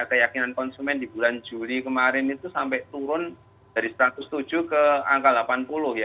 keyakinan konsumen di bulan juli kemarin itu sampai turun dari satu ratus tujuh ke angka delapan puluh ya